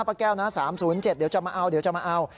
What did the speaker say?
ป้าแก้วนะ๓๐๗เดี๋ยวจะมาเอา